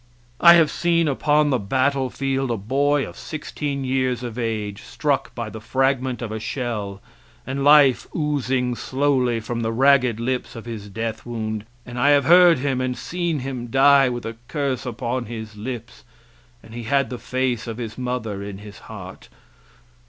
I have seen upon the battlefield a boy sixteen years of age struck by the fragment of a shell and life oozing slowly from the ragged lips of his death wound, and I have heard him and seen him die with a curse upon his lips, and he had the face of his mother in his heart.